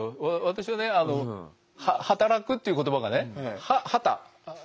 私はね「働く」っていう言葉がね「傍」